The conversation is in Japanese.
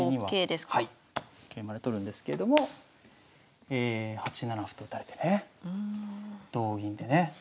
桂馬で取るんですけれども８七歩と打たれてね同銀でね。